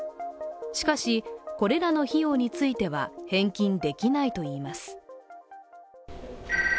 しかし、これらの費用については返金できないといいます。